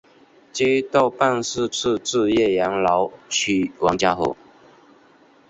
街道办事处驻岳阳楼区王家河。